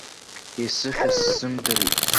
Исыхьыз сзымдырит.